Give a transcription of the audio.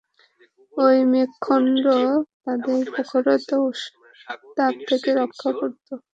এই মেঘখণ্ড তাদের প্রখরতা ও উত্তাপ থেকে রক্ষা করত।